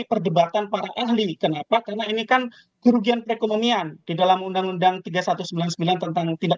perdebatan para ahli kenapa karena ini kan kerugian perekonomian di dalam undang undang tiga ribu satu ratus sembilan puluh sembilan tentang tindak